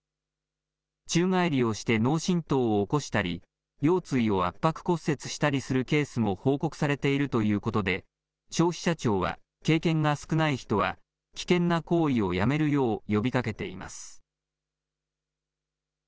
宙返りをして脳震とうを起こしたり、腰椎を圧迫骨折したりするケースも報告されているということで、消費者庁は経験が少ない人は危険な行為をやめるよう呼びかけています。